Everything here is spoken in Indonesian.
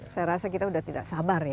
saya rasa kita sudah tidak sabar ya